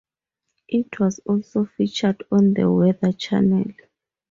It was also featured on the Weather Channel.